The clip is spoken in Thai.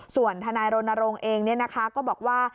ส่วนทนายรณรงค์เองก็บอกว่า